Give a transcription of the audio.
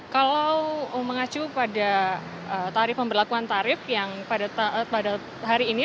kalau mengacu pada tarif pemberlakuan tarif yang pada hari ini